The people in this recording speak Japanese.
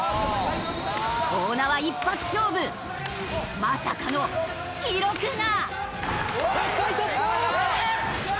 大縄一発勝負まさかの記録が！